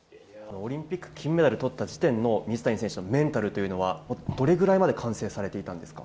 オリンピック、金メダルとった時点の、水谷選手のメンタルというのは、どれくらいまで完成されていたんですか。